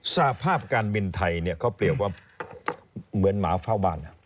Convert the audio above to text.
สภาพการบินไทยเนี่ยเขาเปรียบว่าเหมือนหมาเฝ้าบ้าน